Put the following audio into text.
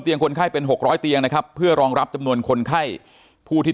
คนไข้เป็น๖๐๐เตียงนะครับเพื่อรองรับจำนวนคนไข้ผู้ที่